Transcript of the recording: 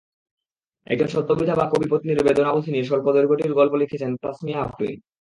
একজন সদ্য বিধবা কবিপত্নীর বেদনাবোধ নিয়ে স্বল্পদৈর্ঘ্যটির গল্প লিখেছেন তাসমিয়াহ্ আফরিন।